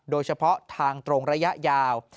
โดยเฉพาะทางตรงระยะยาว